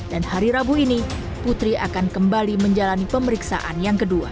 dan hari rabu ini putri akan kembali menjalani pemeriksaan yang kedua